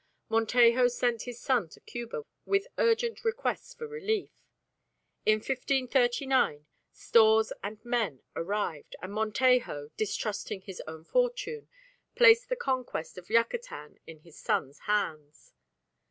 Montejo sent his son to Cuba with urgent requests for relief. In 1539 stores and men arrived, and Montejo, distrusting his own fortune, placed the conquest of Yucatan in his son's hands.